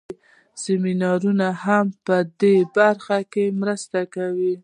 سمینارونه هم په دې برخه کې مرسته کوي.